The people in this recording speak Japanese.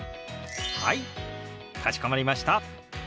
はいかしこまりました。